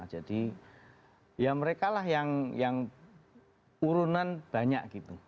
jadi ya mereka lah yang urunan banyak gitu